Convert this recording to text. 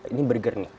ini burger nih